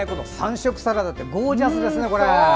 ３色サラダってゴージャスですね。